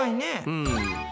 うん。